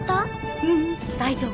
ううん大丈夫。